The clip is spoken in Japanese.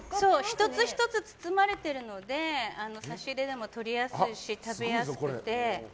１つ１つ包まれているので差し入れでも取りやすいし食べやすくて。